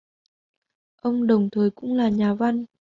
Ông đồng thời cũng là nhà văn